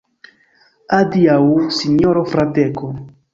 Adiaŭ, sinjoro Fradeko.